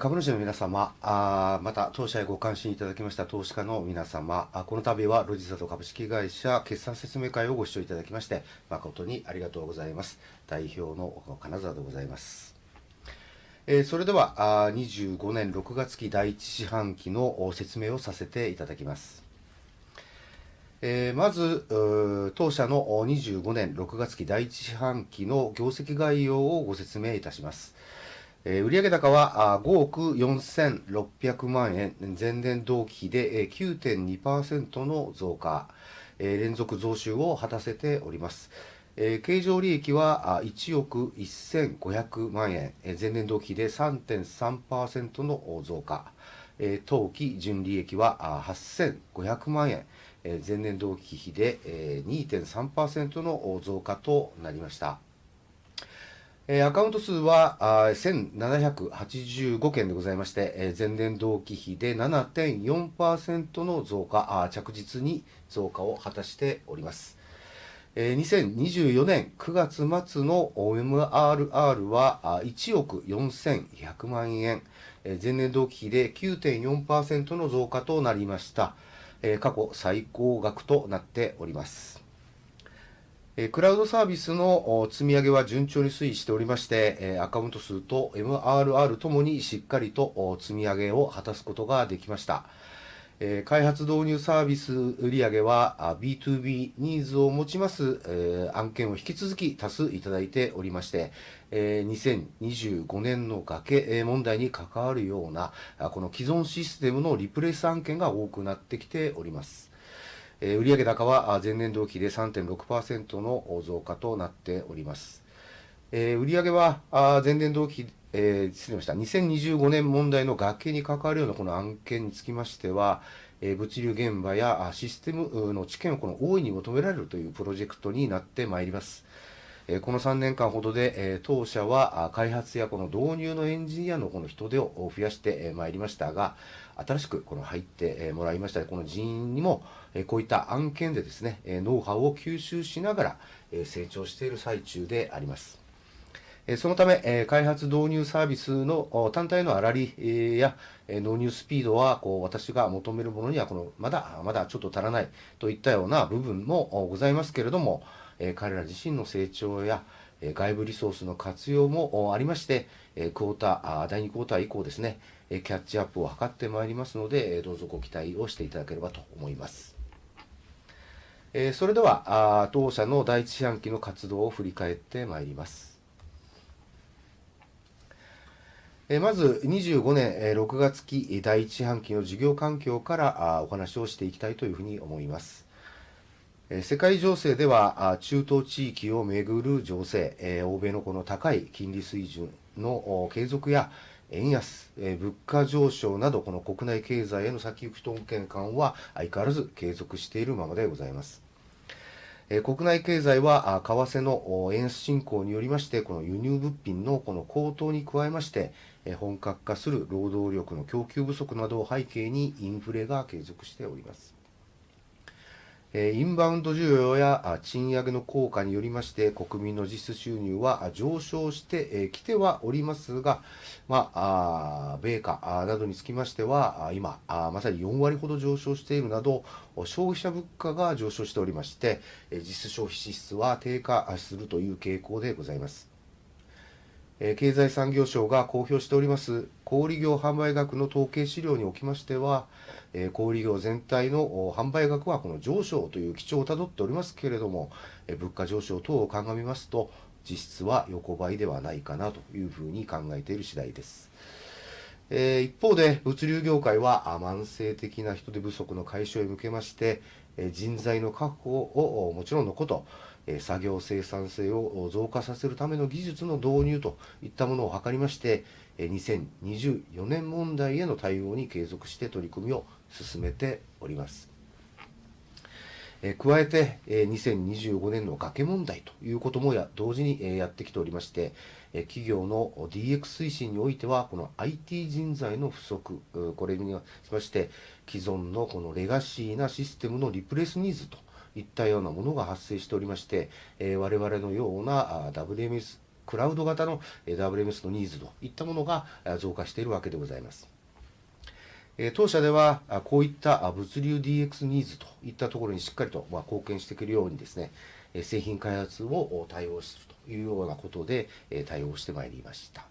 株主の皆様、また当社へご関心いただきました投資家の皆様、この度はロジザード株式会社決算説明会をご視聴いただきまして誠にありがとうございます。代表の金澤でございます。それでは25年6月期第1四半期の説明をさせていただきます。まず当社の25年6月期第1四半期の業績概要をご説明いたします。売上高は ¥546,000,000、前年同期比で 9.2% の増加、連続増収を果たせております。経常利益は ¥115,000,000、前年同期比で 3.3% の増加、当期純利益は ¥85,000,000、前年同期比で 2.3% の増加となりました。アカウント数は 1,785 件でございまして、前年同期比で 7.4% の増加、着実に増加を果たしております。2024年9月末の MRR は ¥141,000,000、前年同期比で 9.4% の増加となりました。過去最高額となっております。クラウドサービスの積み上げは順調に推移しておりまして、アカウント数と MRR ともにしっかりと積み上げを果たすことができました。開発・導入サービス売上は BtoB ニーズを持ちます案件を引き続き多数いただいておりまして、2025年の崖問題に関わるような、この既存システムのリプレース案件が多くなってきております。売上高は前年同期比で 3.6% の増加となっております。2025年問題の崖に関わるようなこの案件につきましては、物流現場やシステムの知見を大いに求められるというプロジェクトになってまいります。この3年間ほどで当社は開発や導入のエンジニアの人手を増やしてまいりましたが、新しく入ってもらいましたこの人員にも、こういった案件でノウハウを吸収しながら成長している最中であります。そのため開発・導入サービスの単体の粗利や導入スピードは、私が求めるものにはまだちょっと足らないといったような部分もございますけれども、彼ら自身の成長や外部リソースの活用もありまして、第2クォーター以降キャッチアップを図ってまいりますので、どうぞご期待をしていただければと思います。それでは当社の第1四半期の活動を振り返ってまいります。まず25年6月期第1四半期の事業環境からお話をしていきたいというふうに思います。世界情勢では中東地域を巡る情勢、欧米の高い金利水準の継続や円安、物価上昇など、国内経済への先行きと恩恵感は相変わらず継続しているままでございます。国内経済は為替の円安進行によりまして、輸入物品の高騰に加えまして、本格化する労働力の供給不足などを背景にインフレが継続しております。インバウンド需要や賃上げの効果によりまして、国民の実質収入は上昇してきてはおりますが、米価などにつきましては今まさに 40% ほど上昇しているなど、消費者物価が上昇しておりまして、実質消費支出は低下するという傾向でございます。経済産業省が公表しております小売業販売額の統計資料におきましては、小売業全体の販売額は上昇という基調をたどっておりますけれども、物価上昇等を鑑みますと、実質は横ばいではないかなというふうに考えている次第です。一方で物流業界は慢性的な人手不足の解消に向けまして、人材の確保をもちろんのこと、作業生産性を増加させるための技術の導入といったものを図りまして、2024年問題への対応に継続して取り組みを進めております。加えて2025年の崖問題ということも同時にやってきておりまして、企業の DX 推進においては IT 人材の不足、これに合わせまして既存のレガシーなシステムのリプレースニーズといったようなものが発生しておりまして、我々のようなクラウド型の WMS のニーズといったものが増加しているわけでございます。当社ではこういった物流 DX ニーズといったところにしっかりと貢献していけるように製品開発を対応するというようなことで対応してまいりました。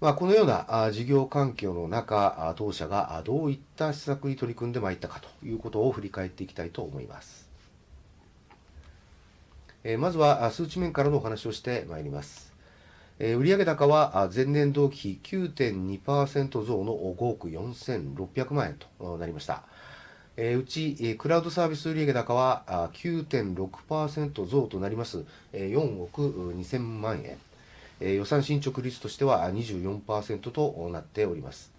このような事業環境の中、当社がどういった施策に取り組んでまいったかということを振り返っていきたいと思います。まずは数値面からのお話をしてまいります。売上高は前年同期比 9.2% 増の ¥546,000,000 となりました。うちクラウドサービス売上高は 9.6% 増となります、¥420,000,000。予算進捗率としては 24% となっております。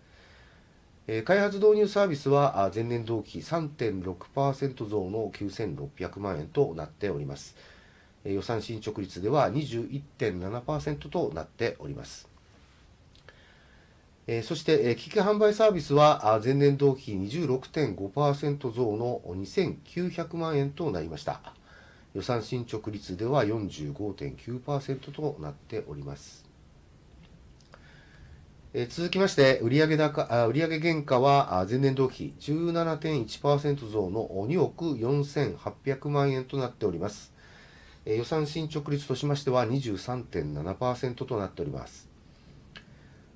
開発・導入サービスは前年同期比 3.6% 増の ¥96,000,000 となっております。予算進捗率では 21.7% となっております。そして機器販売サービスは前年同期比 26.5% 増の ¥29,000,000 となりました。予算進捗率では 45.9% となっております。続きまして売上原価は前年同期比 17.1% 増の ¥248,000,000 となっております。予算進捗率としましては 23.7% となっております。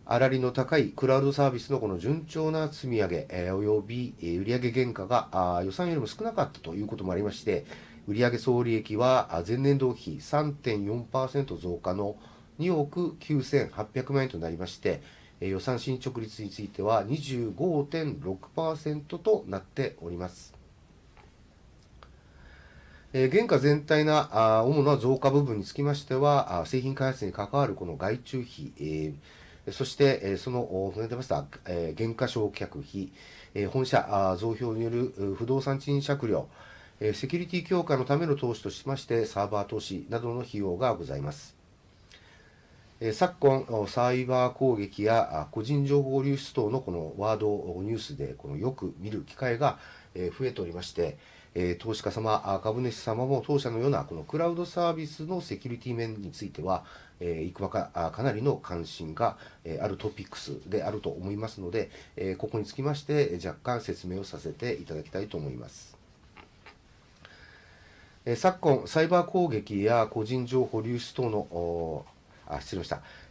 粗利の高いクラウドサービスの順調な積み上げ及び売上原価が予算よりも少なかったということもありまして、売上総利益は前年同期比 3.4% 増加の ¥298,000,000 となりまして、予算進捗率については 25.6% となっております。原価全体の主な増加部分につきましては、製品開発に関わる外注費、そしてその上に出ました減価償却費、本社増床による不動産賃借料、セキュリティ強化のための投資としましてサーバー投資などの費用がございます。昨今、サイバー攻撃や個人情報流出等のワード、ニュースでよく見る機会が増えておりまして、投資家様、株主様も当社のようなクラウドサービスのセキュリティ面についてはかなりの関心があるトピックスであると思いますので、ここにつきまして若干説明をさせていただきたいと思います。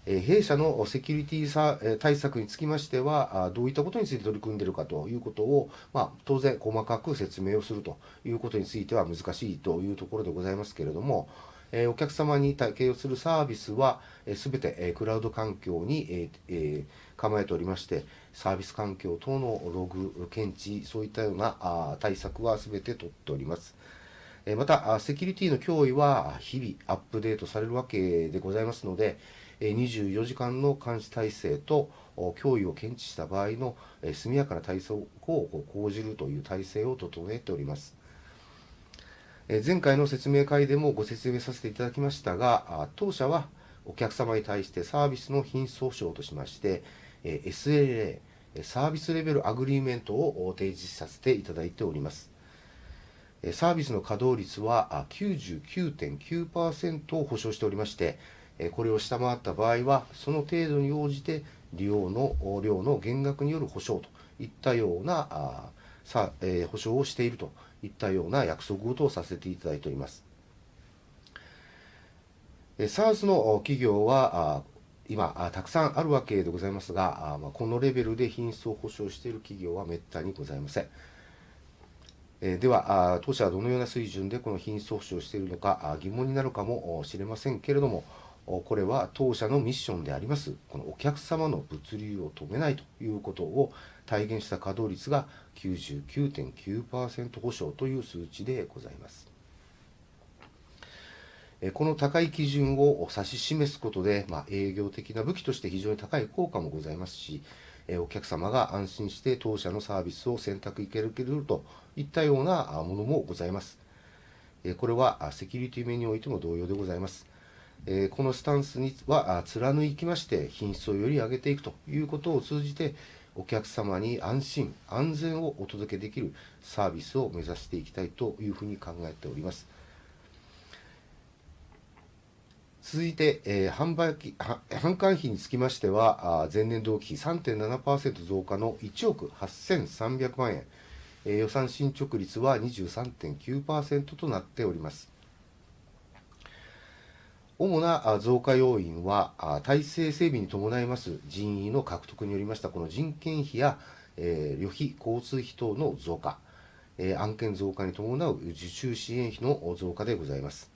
弊社のセキュリティ対策につきましては、どういったことについて取り組んでいるかということを当然細かく説明をするということについては難しいというところでございますけれども、お客様に提供するサービスはすべてクラウド環境に構えておりまして、サービス環境等のログ検知、そういったような対策はすべて取っております。また、セキュリティの脅威は日々アップデートされるわけでございますので、24時間の監視体制と脅威を検知した場合の速やかな対策を講じるという体制を整えております。前回の説明会でもご説明させていただきましたが、当社はお客様に対してサービスの品質保証としまして SLA、サービスレベルアグリーメントを提示させていただいております。サービスの稼働率は 99.9% を保証しておりまして、これを下回った場合はその程度に応じて利用料金の減額による保証といったような保証をしているといったような約束事をさせていただいております。SaaS の企業は今たくさんあるわけでございますが、このレベルで品質を保証している企業は滅多にございません。では、当社はどのような水準でこの品質保証をしているのか疑問になるかもしれませんけれども、これは当社のミッションであります、お客様の物流を止めないということを体現した稼働率が 99.9% 保証という数値でございます。この高い基準を指し示すことで、営業的な武器として非常に高い効果もございますし、お客様が安心して当社のサービスを選択いただけるといったようなものもございます。これはセキュリティ面においても同様でございます。このスタンスは貫きまして品質をより上げていくということを通じて、お客様に安心・安全をお届けできるサービスを目指していきたいというふうに考えております。続いて、販管費につきましては前年同期比 3.7% 増加の ¥183,000,000、予算進捗率は 23.9% となっております。主な増加要因は体制整備に伴います人員の獲得によりました人件費や旅費、交通費等の増加、案件増加に伴う受注支援費の増加でございます。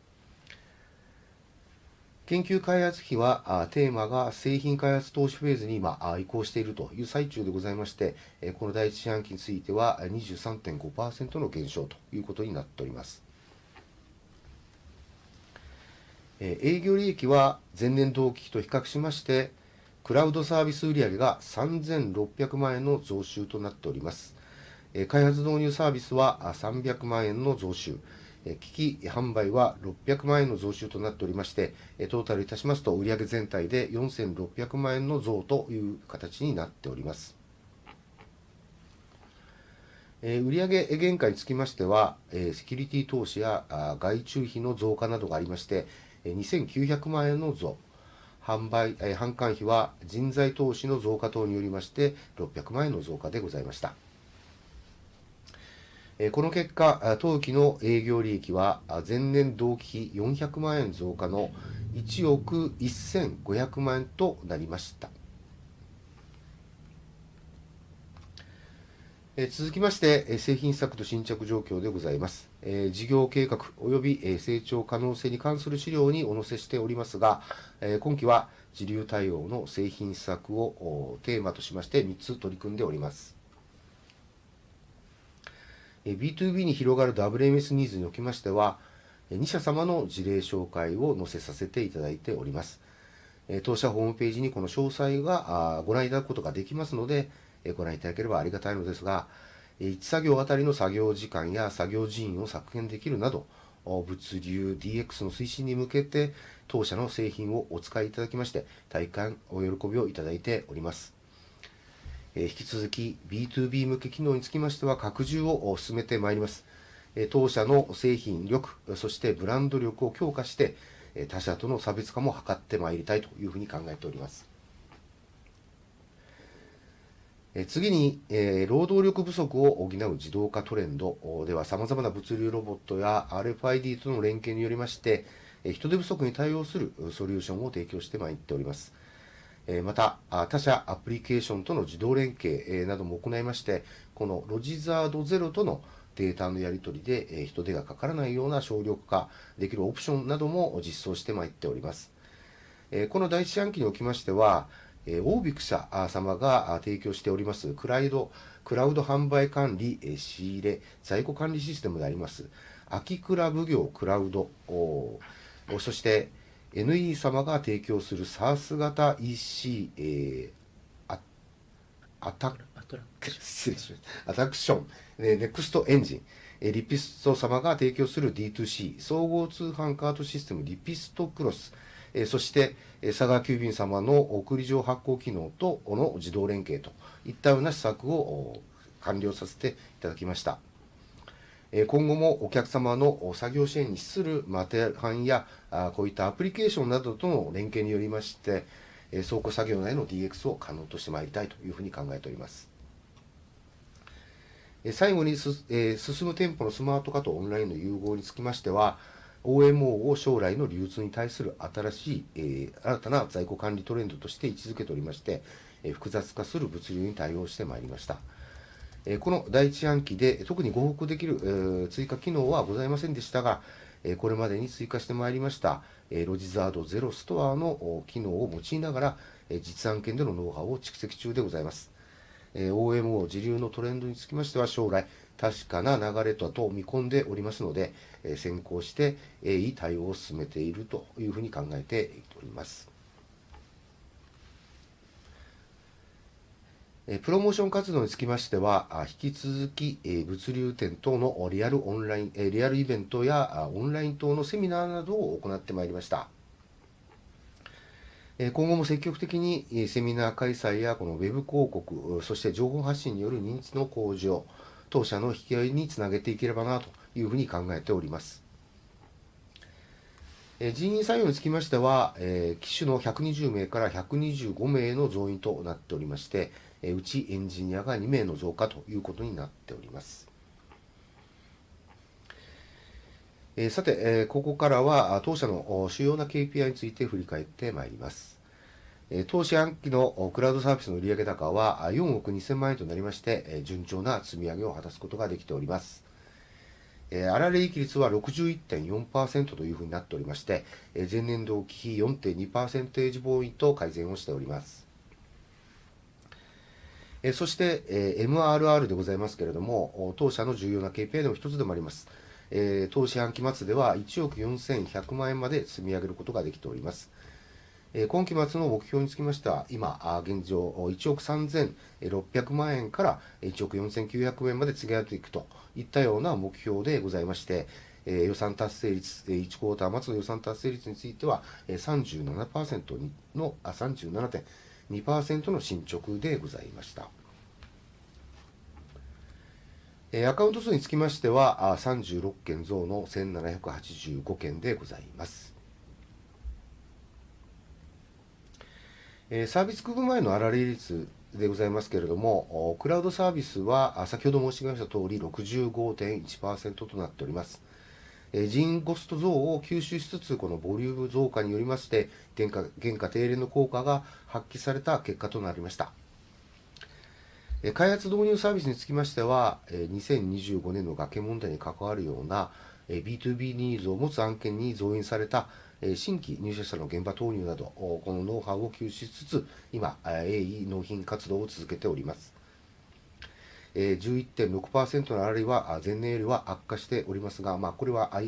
研究開発費はテーマが製品開発投資フェーズに移行しているという最中でございまして、この第1四半期については 23.5% の減少ということになっております。営業利益は前年同期比と比較しまして、クラウドサービス売上が ¥36,000,000 の増収となっております。開発・導入サービスは ¥3,000,000 の増収、機器販売は ¥6,000,000 の増収となっておりまして、トータルいたしますと売上全体で ¥46,000,000 の増という形になっております。売上原価につきましては、セキュリティ投資や外注費の増加などがありまして ¥29,000,000 の増、販管費は人材投資の増加等によりまして ¥6,000,000 の増加でございました。この結果、当期の営業利益は前年同期比 ¥4,000,000 増加の ¥115,000,000 となりました。続きまして製品施策と進捗状況でございます。事業計画及び成長可能性に関する資料にお載せしておりますが、今期は自流対応の製品施策をテーマとしまして3つ取り組んでおります。BtoB に広がる WMS ニーズにおきましては、2社様の事例紹介を載せさせていただいております。当社ホームページにこの詳細はご覧いただくことができますので、ご覧いただければありがたいのですが、1作業あたりの作業時間や作業人員を削減できるなど、物流 DX の推進に向けて当社の製品をお使いいただきまして、大変お喜びをいただいております。引き続き BtoB 向け機能につきましては拡充を進めてまいります。当社の製品力、そしてブランド力を強化して、他社との差別化も図ってまいりたいというふうに考えております。次に、労働力不足を補う自動化トレンドでは、様々な物流ロボットや RFID との連携によりまして、人手不足に対応するソリューションを提供してまいっております。また、他社アプリケーションとの自動連携なども行いまして、この Logizard Zero とのデータのやり取りで人手がかからないような省力化できるオプションなども実装してまいっております。この第1四半期におきましては、オービック社様が提供しておりますクラウド販売管理、仕入れ、在庫管理システムであります AKIKURA BUGYO CLOUD、そして NE 様が提供する SaaS 型 EC プラットフォーム、Next Engine、LIPISTO 様が提供する D2C、総合通販カートシステム LIPISTO Cross、そしてサガー急便様の送り状発行機能との自動連携といったような施策を完了させていただきました。今後もお客様の作業支援に資するマテリアルハンドリングやこういったアプリケーションなどとの連携によりまして、倉庫作業内の DX を可能としてまいりたいというふうに考えております。最後に、進む店舗のスマート化とオンラインの融合につきましては、OMO を将来の流通に対する新たな在庫管理トレンドとして位置づけておりまして、複雑化する物流に対応してまいりました。この第1四半期で特にご報告できる追加機能はございませんでしたが、これまでに追加してまいりました Logizard Zero Store の機能を用いながら、実案件でのノウハウを蓄積中でございます。OMO 自流のトレンドにつきましては将来確かな流れと見込んでおりますので、先行していい対応を進めているというふうに考えております。プロモーション活動につきましては、引き続き物流展等のリアルイベントやオンライン等のセミナーなどを行ってまいりました。今後も積極的にセミナー開催やこのウェブ広告、そして情報発信による認知の向上、当社の引き上げにつなげていければなというふうに考えております。人員採用につきましては、期首の120名から125名の増員となっておりまして、うちエンジニアが2名の増加ということになっております。さて、ここからは当社の主要な KPI について振り返ってまいります。当四半期のクラウドサービスの売上高は ¥420,000,000 となりまして、順調な積み上げを果たすことができております。粗利益率は 61.4% というふうになっておりまして、前年同期比 4.2 ポイント改善をしております。そして MRR でございますけれども、当社の重要な KPI の1つでもあります。当四半期末では ¥141,000,000 まで積み上げることができております。今期末の目標につきましては、今現状 ¥136,000,000 から ¥149,000,000 まで積み上げていくといったような目標でございまして、予算達成率、1クォーター末の予算達成率については 37.2% の進捗でございました。アカウント数につきましては36件増の 1,785 件でございます。サービス区分別の粗利益率でございますけれども、クラウドサービスは先ほど申し上げました通り 65.1% となっております。人員コスト増を吸収しつつ、このボリューム増加によりまして原価低減の効果が発揮された結果となりました。開発導入サービスにつきましては、2025年の崖問題に関わるような BtoB ニーズを持つ案件に増員された新規入社者の現場投入など、このノウハウを吸収しつつ、今鋭意納品活動を続けております。11.6% の粗利は前年よりは悪化しておりますが、これは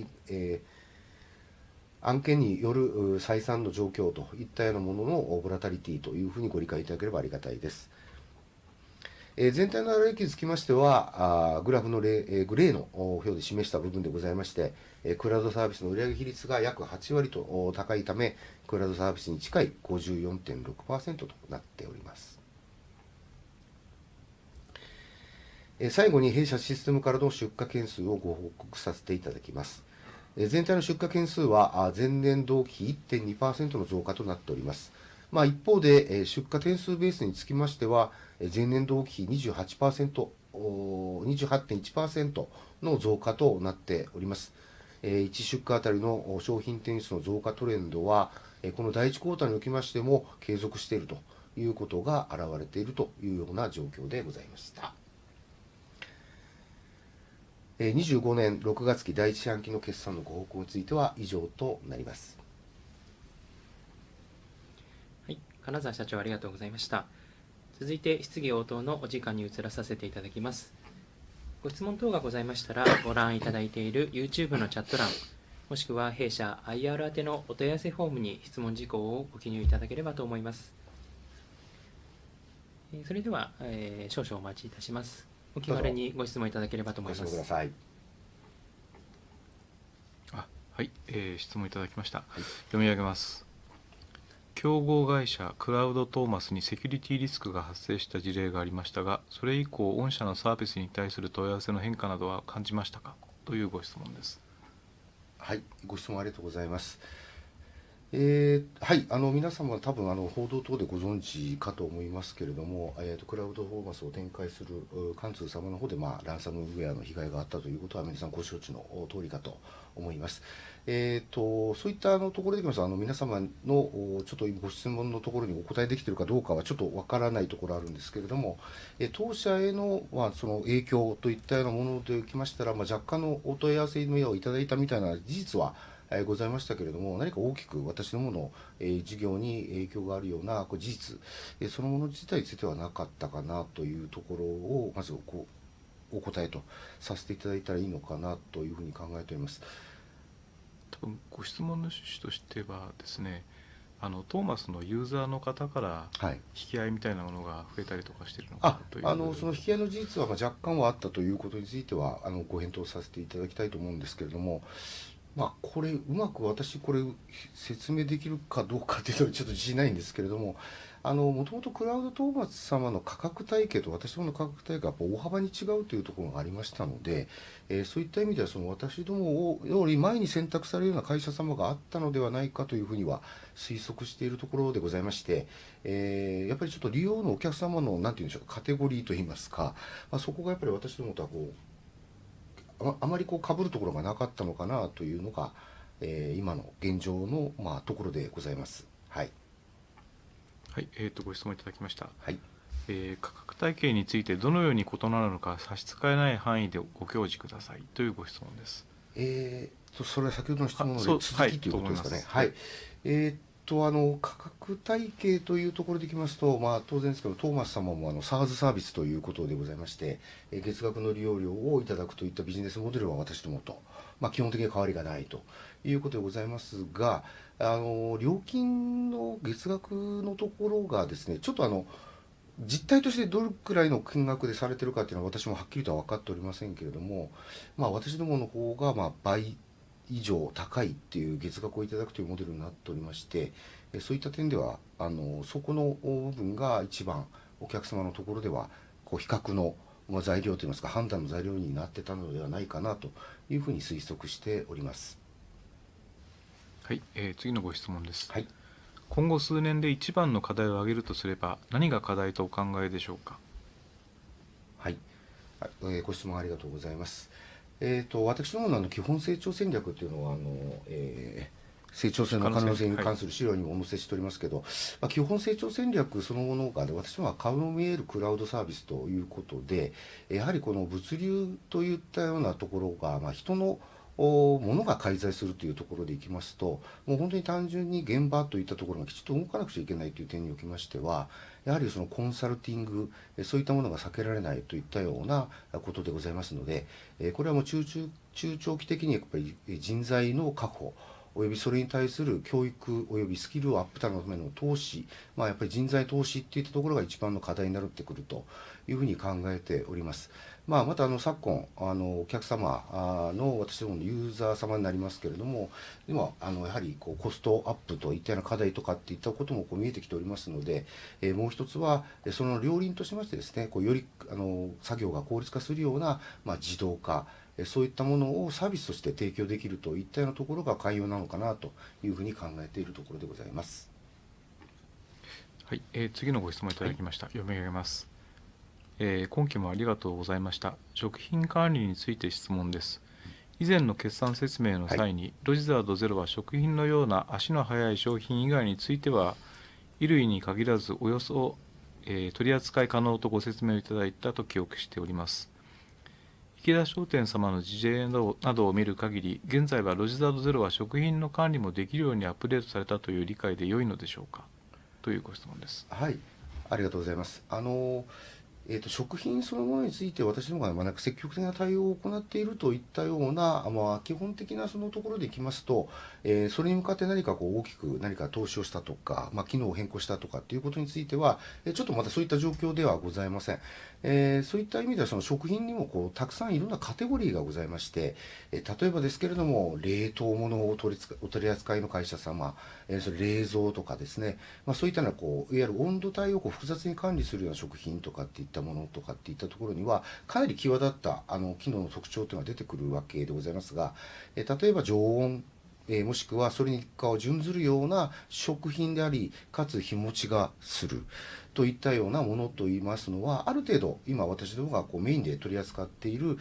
案件による採算の状況といったようなもののボラティリティというふうにご理解いただければありがたいです。全体の粗利益につきましては、グラフのグレーの表で示した部分でございまして、クラウドサービスの売上比率が約 80% と高いため、クラウドサービスに近い 54.6% となっております。最後に弊社システムからの出荷件数をご報告させていただきます。全体の出荷件数は前年同期比 1.2% の増加となっております。一方で出荷点数ベースにつきましては、前年同期比 28.1% の増加となっております。1出荷あたりの商品点数の増加トレンドは、この第1クォーターにおきましても継続しているということが現れているというような状況でございました。25年6月期第1四半期の決算のご報告については以上となります。金澤社長、ありがとうございました。続いて質疑応答のお時間に移らさせていただきます。ご質問等がございましたら、ご覧いただいている YouTube のチャット欄、もしくは弊社 IR 宛のお問い合わせフォームに質問事項をご記入いただければと思います。それでは少々お待ちいたします。お気軽にご質問いただければと思います。質問いただきました。読み上げます。競合会社クラウドトーマスにセキュリティリスクが発生した事例がありましたが、それ以降御社のサービスに対する問い合わせの変化などは感じましたか、というご質問です。ご質問ありがとうございます。皆様、多分報道等でご存知かと思いますけれども、クラウドトーマスを展開する関通様のほうでランサムウェアの被害があったということは皆さんご承知のとおりだと思います。そういったところで皆様のちょっとご質問のところにお答えできてるかどうかはちょっと分からないところあるんですけれども、当社への影響といったようなものでおきましたら、若干のお問い合わせの増をいただいたみたいな事実はございましたけれども、何か大きく私どもの事業に影響があるような事実、そのもの自体についてはなかったかなというところをまずお答えとさせていただいたらいいのかなというふうに考えております。ご質問の趣旨としてはですね、トーマスのユーザーの方から引き合いみたいなものが増えたりとかしてるのかなという。引き合いの事実は若干はあったということについてはご返答させていただきたいと思うんですけれども、これうまく私これ説明できるかどうかっていうとちょっと自信ないんですけれども、元々クラウドトーマス様の価格体系と私どもの価格体系が大幅に違うというところがありましたので、そういった意味では私どもより前に選択されるような会社様があったのではないかというふうには推測しているところでございまして、やっぱりちょっと利用のお客様のなんて言うんでしょう、カテゴリーと言いますか、そこがやっぱり私どもとはあまりかぶるところがなかったのかなというのが今の現状のところでございます。ご質問いただきました。価格体系についてどのように異なるのか差し支えない範囲でご教示くださいというご質問です。それは先ほどの質問の続きっていうことですかね。価格体系というところでいきますと、当然ですけどトーマス様も SaaS サービスということでございまして、月額の利用料をいただくといったビジネスモデルは私どもと基本的に変わりがないということでございますが、料金の月額のところがですね、ちょっと実態としてどれくらいの金額でされてるかっていうのは私もはっきりとは分かっておりませんけれども、私どものほうが倍以上高いっていう月額をいただくというモデルになっておりまして、そういった点ではそこの部分が1番お客様のところでは比較の材料といいますか判断の材料になってたのではないかなというふうに推測しております。次のご質問です。今後数年で1番の課題を挙げるとすれば、何が課題とお考えでしょうか。ご質問ありがとうございます。私どもの基本成長戦略っていうのは成長性の可能性に関する資料にもお載せしておりますけど、基本成長戦略そのものが私どもは顔の見えるクラウドサービスということで、やはりこの物流といったようなところが人のものが介在するというところでいきますと、もう本当に単純に現場といったところがきちっと動かなくちゃいけないという点におきましては、やはりコンサルティング、そういったものが避けられないといったようなことでございますので、これは中長期的にやっぱり人材の確保、およびそれに対する教育およびスキルアップのための投資、やっぱり人材投資っていったところが1番の課題になってくるというふうに考えております。また昨今お客様の私どものユーザー様になりますけれども、やはりコストアップといったような課題とかっていったことも見えてきておりますので、もう1つはその両輪としましてですね、より作業が効率化するような自動化、そういったものをサービスとして提供できるといったようなところが肝要なのかなというふうに考えているところでございます。次のご質問いただきました。読み上げます。今期もありがとうございました。食品管理について質問です。以前の決算説明の際に、Logizard Zero は食品のような足の速い商品以外については衣類に限らずおよそ取り扱い可能とご説明をいただいたと記憶しております。IKEDA 商店様の事例などを見る限り、現在は Logizard Zero は食品の管理もできるようにアップデートされたという理解で良いのでしょうか、というご質問です。ありがとうございます。食品そのものについて私どもがまだ積極的な対応を行っているといったような基本的なところでいきますと、それに向かって何か大きく投資をしたとか機能を変更したとかっていうことについてはちょっとまだそういった状況ではございません。そういった意味では食品にもたくさんいろんなカテゴリーがございまして、例えばですけれども冷凍物を取り扱いの会社様、冷蔵とかですね、そういったようないわゆる温度帯を複雑に管理するような食品とかっていったものとかっていったところにはかなり際立った機能の特徴っていうのが出てくるわけでございますが、例えば常温、もしくはそれにかかわらず準ずるような食品であり、かつ日持ちがするといったようなものといいますのは、ある程度今私どもがメインで取り扱っている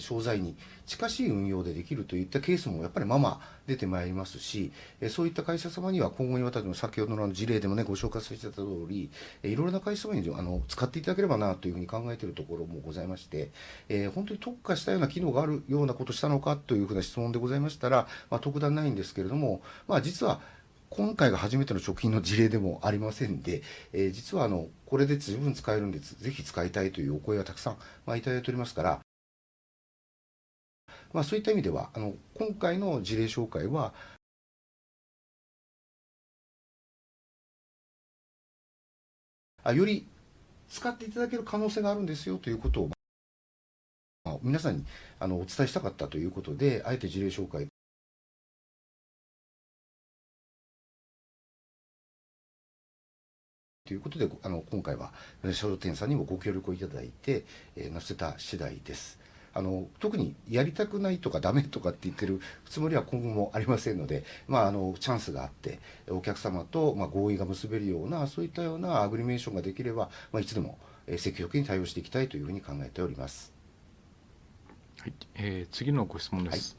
商材に近しい運用でできるといったケースもやっぱりまま出てまいりますし、そういった会社様には今後に私ども先ほどの事例でもご紹介させていただいたとおり、いろいろな会社様に使っていただければなというふうに考えてるところもございまして、本当に特化したような機能があるようなことをしたのかというふうな質問でございましたら特段ないんですけれども、実は今回が初めての食品の事例でもありませんで、実はこれで十分使えるんです、ぜひ使いたいというお声がたくさんいただいておりますから、そういった意味では今回の事例紹介はより使っていただける可能性があるんですよということを皆さんにお伝えしたかったということで、あえて事例紹介ということで今回は商店さんにもご協力をいただいて載せた次第です。特にやりたくないとかだめとかって言ってるつもりは今後もありませんので、チャンスがあってお客様と合意が結べるようなそういったようなアグリーメントができればいつでも積極的に対応していきたいというふうに考えております。次のご質問です。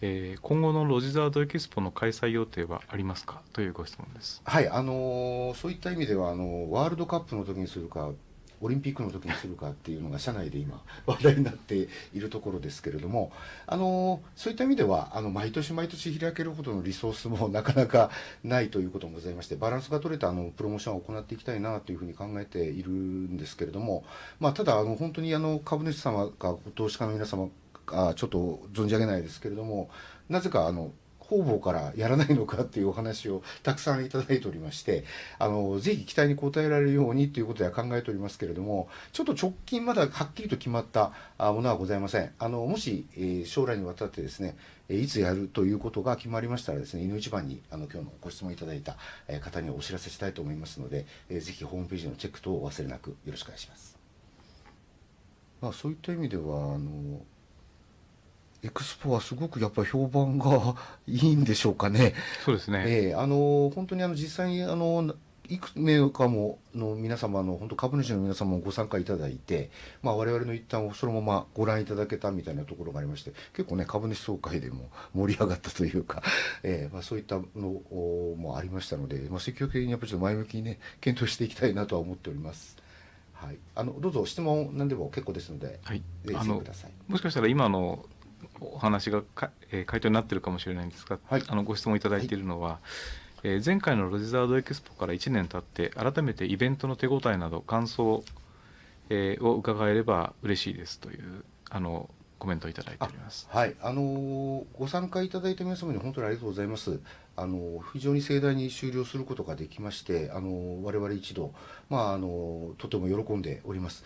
今後の Logizard Expo の開催予定はありますか、というご質問です。そういった意味ではワールドカップのときにするか、オリンピックのときにするかっていうのが社内で今話題になっているところですけれども、そういった意味では毎年毎年開けることのリソースもなかなかないということもございまして、バランスが取れたプロモーションを行っていきたいなというふうに考えているんですけれども、ただ本当に株主様か投資家の皆様かちょっと存じ上げないですけれども、なぜか方々からやらないのかっていうお話をたくさんいただいておりまして、ぜひ期待に応えられるようにっていうことでは考えておりますけれども、ちょっと直近まだはっきりと決まったものはございません。もし将来にわたってですね、いつやるということが決まりましたらですね、いの一番に今日のご質問いただいた方にお知らせしたいと思いますので、ぜひホームページのチェック等をお忘れなくよろしくお願いします。そういった意味では Expo はすごくやっぱり評判がいいんでしょうかね。そうですね。本当に実際にいくつメーカーの皆様の、ほんと株主の皆様もご参加いただいて、我々の一旦そのままご覧いただけたみたいなところがありまして、結構株主総会でも盛り上がったというか、そういったのもありましたので、積極的にやっぱり前向きに検討していきたいなとは思っております。どうぞ質問なんでも結構ですのでぜひしてください。もしかしたら今のお話が回答になってるかもしれないんですが、ご質問いただいてるのは、前回の Logizard Expo から1年経って改めてイベントの手応えなど感想を伺えればうれしいですというコメントをいただいております。ご参加いただいた皆様に本当にありがとうございます。非常に盛大に終了することができまして、我々一同とても喜んでおります。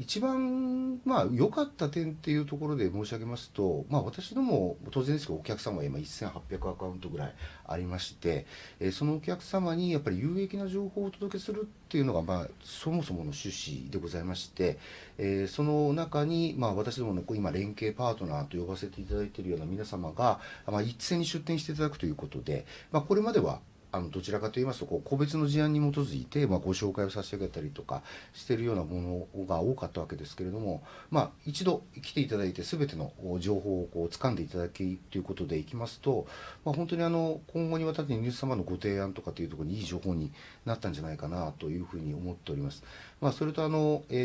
1番良かった点っていうところで申し上げますと、私ども当然ですけどお客様が今 1,800 アカウントぐらいありまして、そのお客様にやっぱり有益な情報をお届けするっていうのがそもそもの趣旨でございまして、その中に私どもの今連携パートナーと呼ばせていただいてるような皆様が一斉に出店していただくということで、これまではどちらかと言いますと個別の事案に基づいてご紹介をさせてあげたりとかしてるようなものが多かったわけですけれども、1度来ていただいて全ての情報をつかんでいただきっていうことでいきますと、本当に今後にわたって皆様のご提案とかっていうところにいい情報になったんじゃないかなというふうに思っております。それ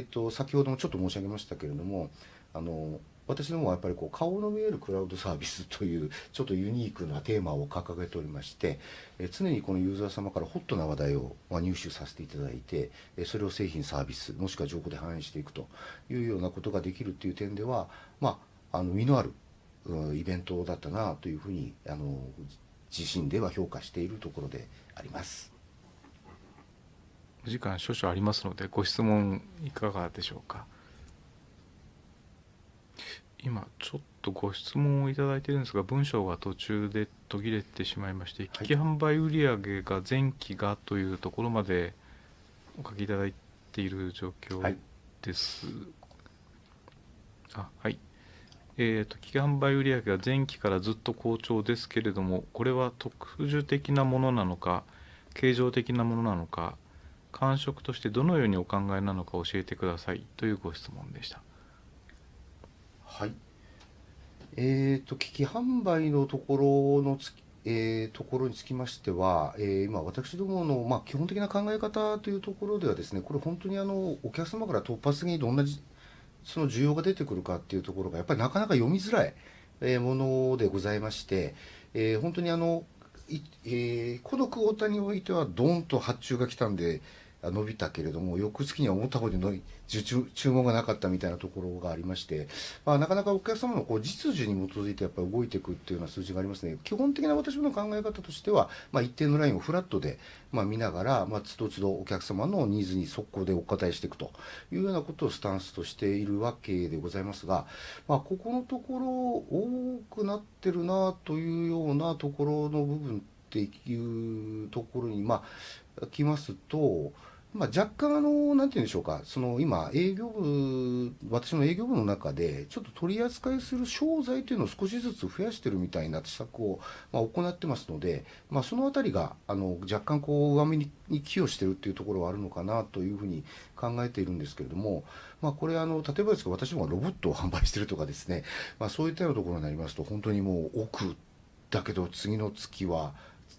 と先ほどもちょっと申し上げましたけれども、私どもはやっぱり顔の見えるクラウドサービスというちょっとユニークなテーマを掲げておりまして、常にこのユーザー様からホットな話題を入手させていただいて、それを製品、サービス、もしくは情報で反映していくというようなことができるっていう点では実のあるイベントだったなというふうに自身では評価しているところであります。お時間少々ありますので、ご質問いかがでしょうか。今ちょっとご質問をいただいてるんですが、文章が途中で途切れてしまいまして、機器販売売上が前期がというところまでお書きいただいている状況です。機器販売売上が前期からずっと好調ですけれども、これは特殊的なものなのか、恒常的なものなのか、感触としてどのようにお考えなのか教えてくださいというご質問でした。機器販売のところにつきましては、今私どもの基本的な考え方というところではですね、これ本当にお客様から突発的にどんな需要が出てくるかっていうところがやっぱりなかなか読みづらいものでございまして、本当にこのクオーターにおいてはドンと発注が来たんで伸びたけれども、翌月には思ったほど注文がなかったみたいなところがありまして、なかなかお客様の実需に基づいてやっぱり動いてくっていうような数字がありますね。基本的な私どもの考え方としては一定のラインをフラットで見ながら都度都度お客様のニーズに即効でお答えしてくというようなことをスタンスとしているわけでございますが、ここのところ多くなってるなというようなところの部分っていうところに来ますと、若干なんて言うんでしょうか、今営業部、私の営業部の中でちょっと取り扱いする商材っていうのを少しずつ増やしてるみたいな施策を行ってますので、そのあたりが若干上目に寄与してるっていうところはあるのかなというふうに考えているんですけれども、これ例えばですけど私どもがロボットを販売してるとかですね、そういったようなところになりますと、本当にもう億だけど次の月は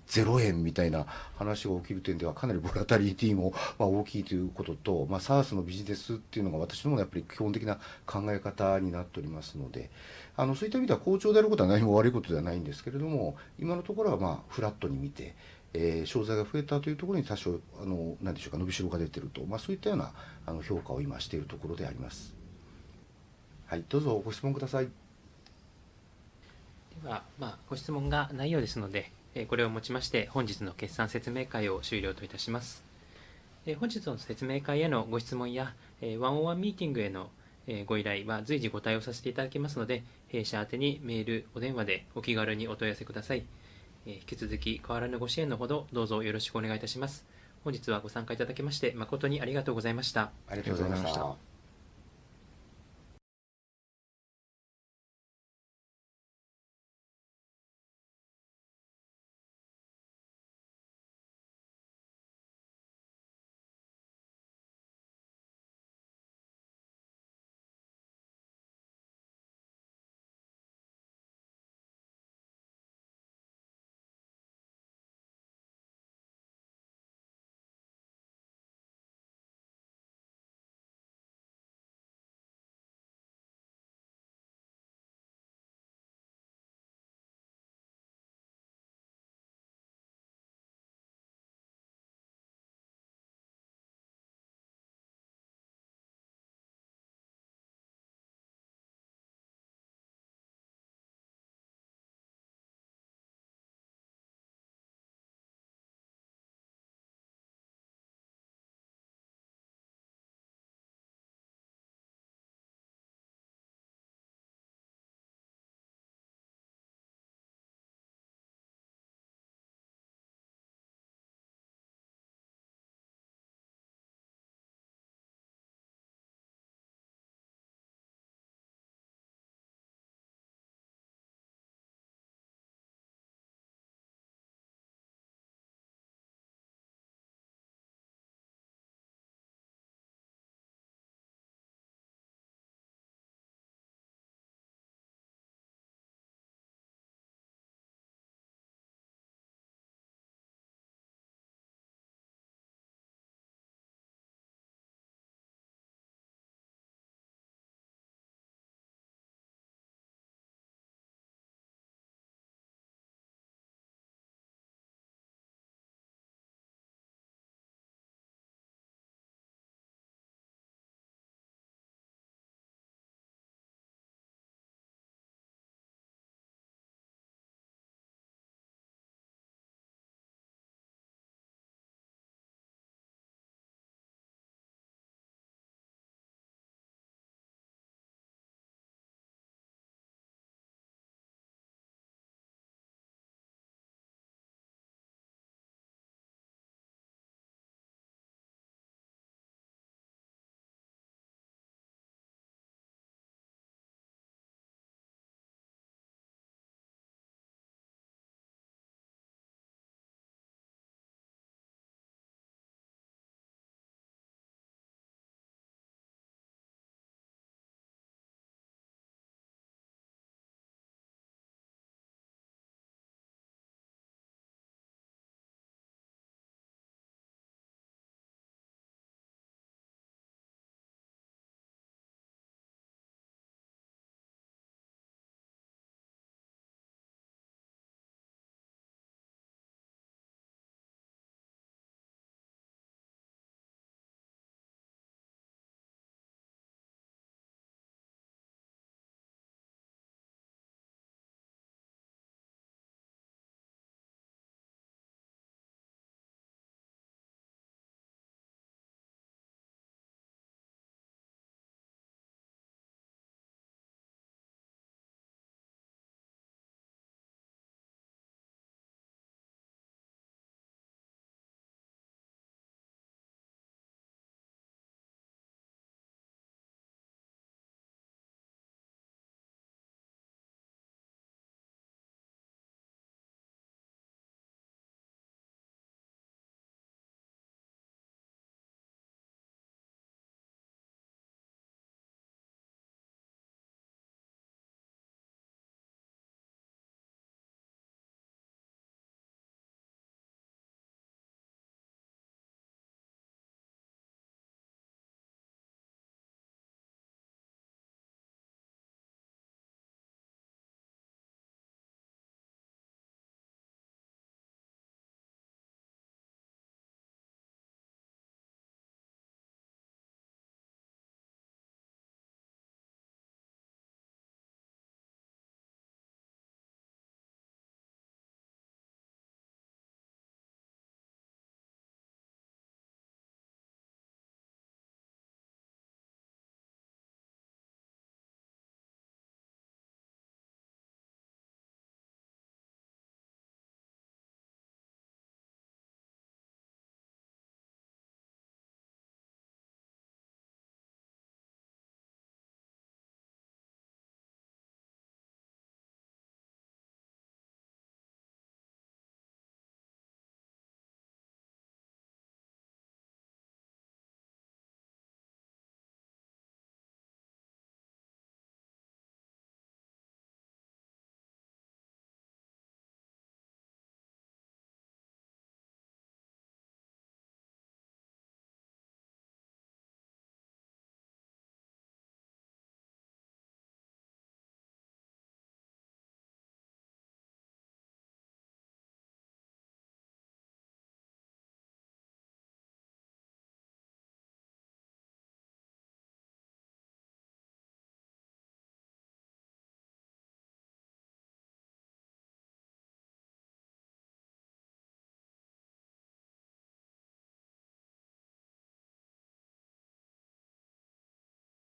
¥0 みたいな話が起きる点ではかなりボラティリティも大きいということと、SaaS のビジネスっていうのが私どもがやっぱり基本的な考え方になっておりますので、そういった意味では好調であることは何も悪いことではないんですけれども、今のところはフラットに見て、商材が増えたというところに多少なんでしょうか伸びしろが出てると、そういったような評価を今してるところであります。どうぞご質問ください。ではご質問がないようですので、これをもちまして本日の決算説明会を終了といたします。本日の説明会へのご質問やワンオンワンミーティングへのご依頼は随時ご対応させていただきますので、弊社宛てにメール、お電話でお気軽にお問い合わせください。引き続き変わらぬご支援のほどどうぞよろしくお願いいたします。本日はご参加いただきまして誠にありがとうございました。ありがとうございました。